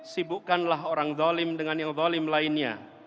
sibukkanlah orang zolim dengan yang dolim lainnya